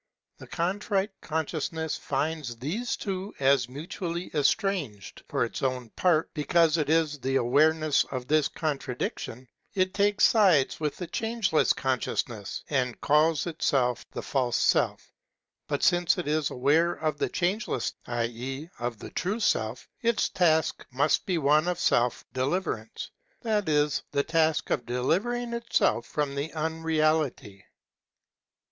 The Contrite Consciousness finds these two as mutually estranged. For its own part, because it is the aware 6i6 HEGEL ness of this contradiction, it takes sides with the Changeless^ Consciousness, and calls itself the False Self. But .since it is'^ aware^ of the Changeless, i. e. of the True Self, its task must be one of self deliverance, that is, the task of delivering itself from the unreality.